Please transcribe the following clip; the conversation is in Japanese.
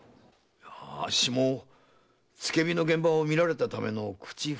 あっしも付け火の現場を見られたための口封じだと思いますがね。